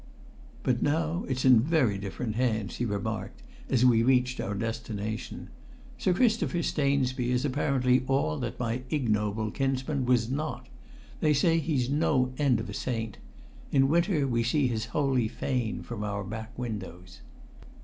"But now it's in very different hands," he remarked as we reached our destination. "Sir Christopher Stainsby is apparently all that my ignoble kinsman was not. They say he's no end of a saint. In winter we see his holy fane from our back windows."